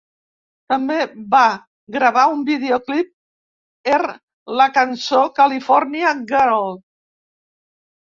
També van gravar un videoclip er la cançó "California Girl".